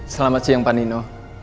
selamat siang pak nino